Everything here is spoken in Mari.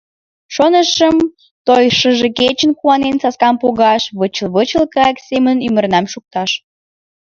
Шонышым, той шыже кечын Куанен саскам погаш, Вычыл-вычыл, кайык семын Ӱмырнам шукташ.